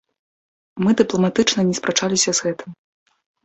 Мы дыпламатычна не спрачаліся з гэтым.